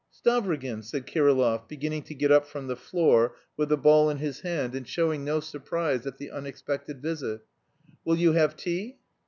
"Stavrogin?" said Kirillov, beginning to get up from the floor with the ball in his hand, and showing no surprise at the unexpected visit. "Will you have tea?"